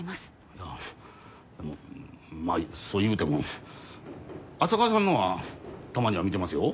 いやあのまあそう言うても浅川さんのはたまには見てますよ。